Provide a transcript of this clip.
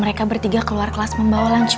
percaya dengan dirimu